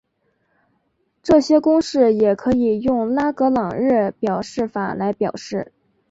这些公式也可以用拉格朗日表示法来表示。